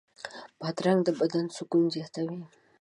بادرنګ د بدن سکون زیاتوي.